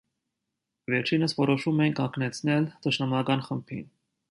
Վերջինս որոշում է կանգնեցնել թշնամական խմբին։